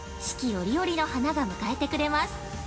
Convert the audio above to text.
折々の花が迎えてくれます。